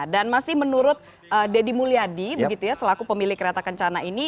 dan masih menurut deddy mulyadi begitu ya selaku pemilik kereta kencana ini